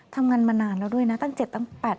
ทำงานมานานแล้วด้วยนะตั้ง๗๘ประเภท